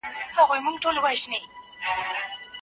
زه د ډیوډرنټ مواد استعمالوم.